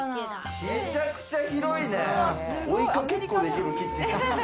めちゃくちゃ広いね。